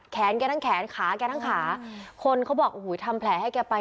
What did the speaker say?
แกทั้งแขนขาแกทั้งขาคนเขาบอกโอ้โหทำแผลให้แกไป